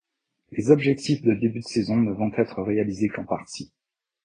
Les objectifs de début de saison ne vont être réalisés qu'en partie.